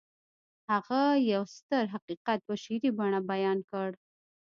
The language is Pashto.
هغه يو ستر حقيقت په شعري بڼه بيان کړ.